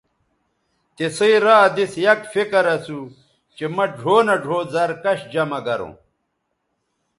تِسئ را دِس یک فکر اسُو چہء مہ ڙھؤ نہ ڙھؤ زَر کش جمہ گروں